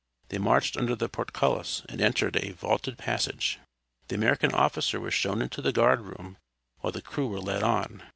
They marched under the portcullis, and entered a vaulted passage. The American officer was shown into the guard room, while the crew were led on.